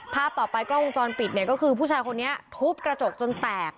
ภาพต่อไปกล้องวงจรปิดเนี่ยก็คือผู้ชายคนนี้ทุบกระจกจนแตก